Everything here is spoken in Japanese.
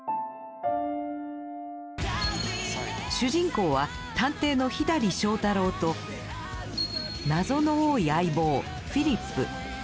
主人公は探偵の左翔太郎と謎の多い相棒フィリップ。